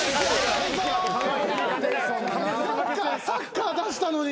サッカー出したのに。